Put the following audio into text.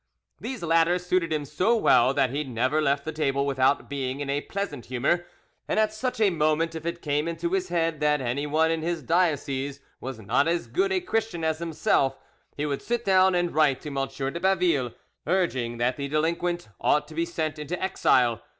These latter suited him so well that he never left the table without being in a pleasant humour, and at such a moment if it came into his head that anyone in his diocese was not as good a Christian as himself, he would sit down and write to M. de Baville, urging that the delinquent ought to be sent into exile.